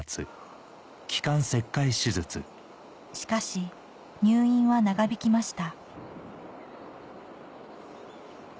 しかし入院は長引きました